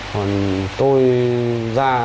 còn tôi ra